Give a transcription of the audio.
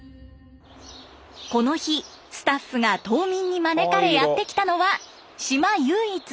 この日スタッフが島民に招かれやって来たのは島唯一のカフェ。